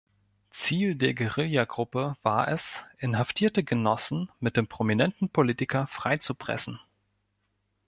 Ziel der Guerillagruppe war es, inhaftierte Genossen mit dem prominenten Politiker freizupressen.